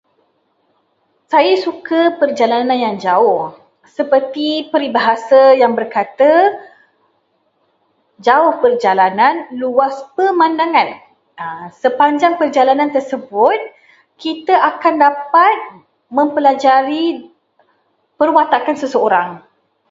"Saya suka perjalanan yang jauh seperti peribahasa yang berkata, ""Jauh perjalanan, luar pemandangan"". Sepanjang perjalanan tersebut, kita akan dapat mempelajari perwatakan seseorang."